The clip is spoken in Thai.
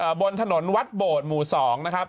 อ่าบนถนนวัดโบดหมู่๒นะครับ